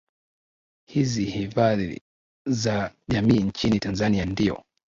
hizi hifadhi za jamii nchini tanzania ndiyo